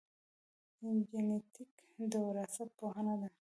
جینېټیک د وراثت پوهنه ده